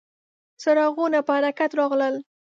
څرخونه په حرکت راغلل .